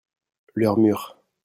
leurs murs.